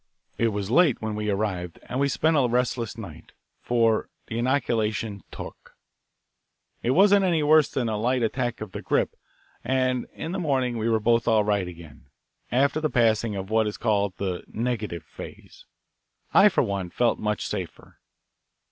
It was late when we arrived, and we spent a restless night, for the inoculation "took." It wasn't any worse than a light attack of the grippe, and in the morning we were both all right again, after the passing of what is called the "negative phase." I, for one, felt much safer.